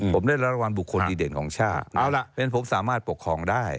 ผมได้รับรางวัลบุคคลดีเด่นของชาติเอาล่ะฉะนั้นผมสามารถปกครองได้